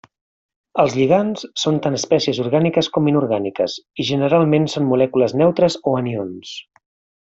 Els lligands són tant espècies orgàniques com inorgàniques, i generalment són molècules neutres o anions.